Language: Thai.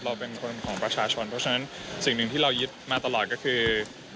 เราเป็นคนของประชาชนเพราะฉะนั้นสิ่งหนึ่งที่เรายึดมาตลอดก็คือ